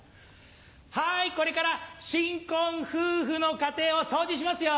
はいこれから新婚夫婦の家庭を掃除しますよ！